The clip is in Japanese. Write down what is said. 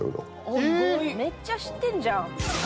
めっちゃ知ってんじゃん。